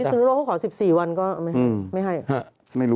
พิสูจน์ธุรกิจเขาขอ๑๔วันก็ไม่ให้